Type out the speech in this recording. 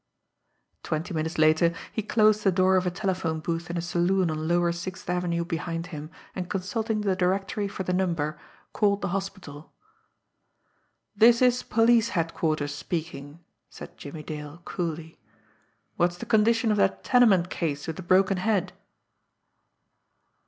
Twenty minutes later, he closed the door of a telephone booth in a saloon on lower Sixth Avenue behind him, and consulting the directory for the number, called the hospital. "This is police headquarters speaking," said Jimmie Dale coolly. "What's the condition of that tenement case with the broken head?"